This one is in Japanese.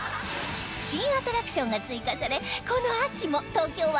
新アトラクションが追加されこの秋も東京・若葉台で開催中